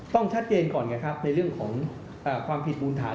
ต้องชัดเจนก่อนไงครับในเรื่องของความผิดมูลฐาน